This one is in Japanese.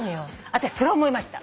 私それは思いました。